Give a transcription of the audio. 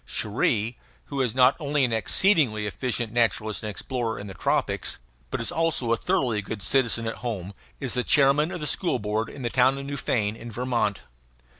Cherrie who is not only an exceedingly efficient naturalist and explorer in the tropics, but is also a thoroughly good citizen at home is the chairman of the school board of the town of Newfane, in Vermont.